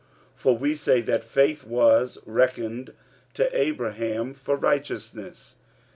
for we say that faith was reckoned to Abraham for righteousness.